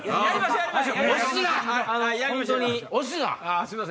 押すな！